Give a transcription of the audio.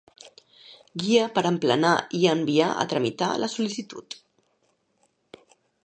Guia per emplenar i enviar a tramitar la sol·licitud.